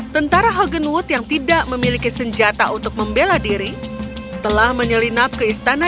tentara hogenwood yang tidak memiliki senjata untuk membela diri telah menyelinap ke istana